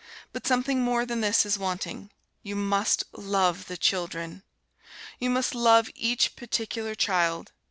But something more than this is wanting. You must love the children. You must love each particular child.